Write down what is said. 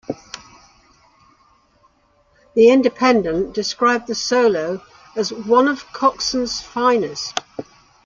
"The Independent" described the solo as "one of Coxon's finest".